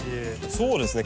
そうですね。